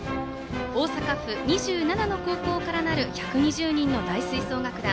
大阪府２７の高校からなる１２０人の大吹奏楽団。